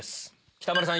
北村さん